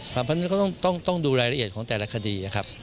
เพราะฉะนั้นก็ต้องดูรายละเอียดของแต่ละคดีนะครับ